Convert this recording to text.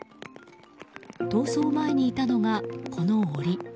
逃走前にいたのが、この檻。